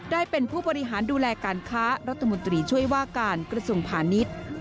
ได้เป็นผู้บริหารดูแลการค้ารัฐมนตรีช่วยว่าการกระทรวงพาณิชย์